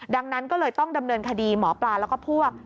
ดังนั้นก็เลยต้องดำเนินคดีหมอปลาแล้วก็พวก